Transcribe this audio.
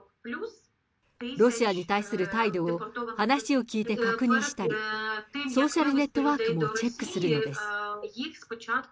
ロシアに対する態度を話を聞いて確認したり、ソーシャルネットワークもチェックするのです。